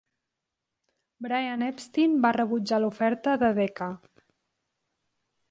Brian Epstein va rebutjar l'oferta de Decca.